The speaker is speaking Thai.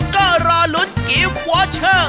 ก็รอลุ้นกิฟต์วอเชอร์